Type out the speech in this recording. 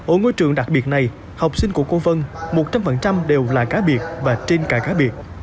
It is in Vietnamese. ở ngôi trường đặc biệt này học sinh của cô vân một trăm linh đều là cá biệt và trên cả cá biệt